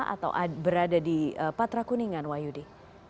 atau berada di patra kuningan wah yudi